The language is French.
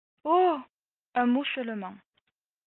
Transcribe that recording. Oh ! un mot seulement.